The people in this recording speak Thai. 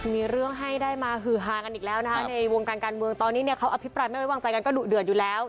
มีเรื่องให้ได้มาฮือฮากันอีกแล้วนะคะในวงการการเมืองตอนนี้เนี่ยเขาอภิปรายไม่ไว้วางใจกันก็ดุเดือดอยู่แล้ว